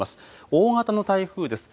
大型の台風です。